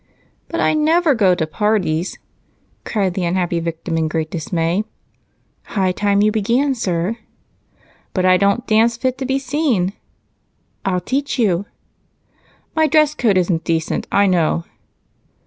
"But I never go to parties!" cried the unhappy victim in great dismay. "High time you began, sir." "But I don't dance fit to be seen." "I'll teach you." "My dress coat isn't decent, I know."